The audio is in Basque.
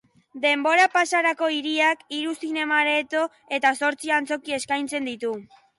Denbora-pasarako hiriak, hiru zinema-areto eta zortzi antzoki eskaintzen ditu.